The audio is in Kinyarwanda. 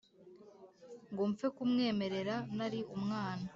ngo mfe kumwemerera nari umwana